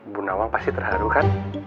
bu nawang pasti terharu kan